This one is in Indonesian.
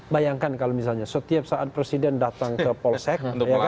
bayangkan kalau misalnya setiap saat presiden datang ke polsek